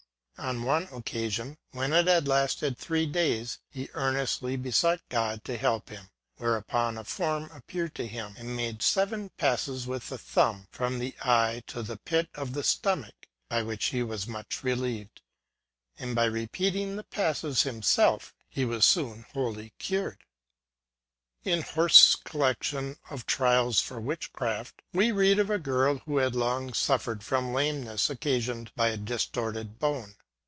On one occasion, when it had lasted three days, he earnestly besought God to help him ; whereupon a form ap peared to him, and made seven passes with the thumb from the eye to the pit of the stomach, by which he was much relieved; and, by repeating the passes himself, he was soon wholly cured. In Horst's collection of trials for witchcraft, we read of a girl who had long suffered from lameness, occasioned by a distorted bone.